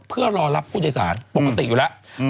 เพื่อรอรับผู้โดยสารปกติอยู่แล้ว